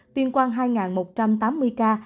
tuyên quang hai một trăm tám mươi ca